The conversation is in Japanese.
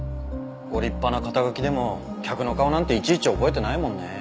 ご立派な肩書でも客の顔なんていちいち覚えてないもんねえ。